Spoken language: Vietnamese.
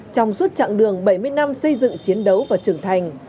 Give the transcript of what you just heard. trong suốt chặng đường bảy mươi năm xây dựng chiến đấu và trưởng thành